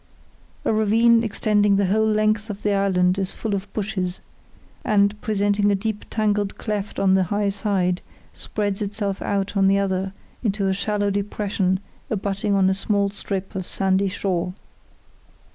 A ravine extending the whole length of the island is full of bushes; and presenting a deep tangled cleft on the high side spreads itself out on the other into a shallow depression abutting on a small strip of sandy shore.